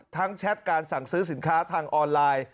แชทการสั่งซื้อสินค้าทางออนไลน์